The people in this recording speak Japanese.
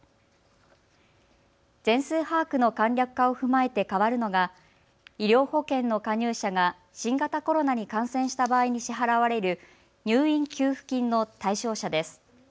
全数把握の簡略化を踏まえて変わるのが医療保険の加入者が新型コロナに感染した場合に支払われる入院給付金の対象者です。